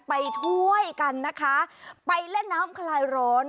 ไปช่วยกันนะคะไปเล่นน้ำคลายร้อน